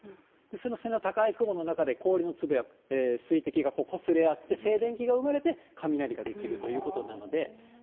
その背の高い雲の中で氷の粒や水滴がこすれ合って、静電気が生まれて、雷が出来るということなので。